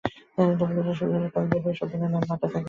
তবে রোজা শুরু হলে কয়েক দফা এসব পণ্যের দাম বাড়তেই থাকবে।